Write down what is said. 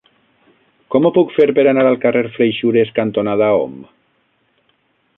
Com ho puc fer per anar al carrer Freixures cantonada Om?